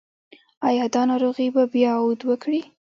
ایا دا ناروغي به بیا عود وکړي؟